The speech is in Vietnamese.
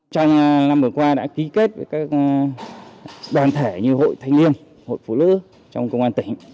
trong năm vừa qua đã ký kết với các đoàn thể như hội thanh niên hội phụ nữ trong công an tỉnh